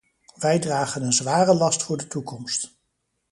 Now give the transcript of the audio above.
Wij dragen een zware last voor de toekomst.